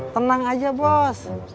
tenang aja bos